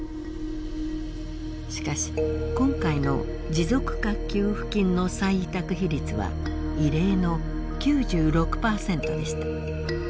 しかし今回の持続化給付金の再委託比率は異例の９６％でした。